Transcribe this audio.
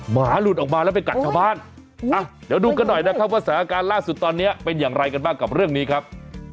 หมาหลุดออกมาแล้วไปกัดชาวบ้านอ่ะเดี๋ยวดูกันหน่อยนะครับว่าสถานการณ์ล่าสุดตอนนี้เป็นอย่างไรกันบ้างกับเรื่องนี้ครับ